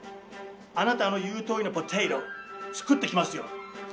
あなたの言うとおりのポテト作ってきますよ。